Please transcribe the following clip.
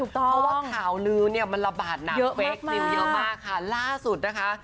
เพราะว่าข่าวลื้อเนี่ยมันระบาดหนักเฟคนิวเยอะมากค่ะล่าสุดนะคะ